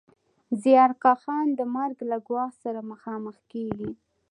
زیارکښان د مرګ له ګواښ سره مخامخ کېږي